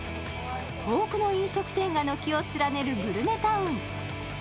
多くの飲食店が軒を連ねるグルメタウン。